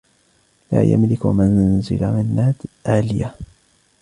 لا يملك منزل منّاد علّيّة.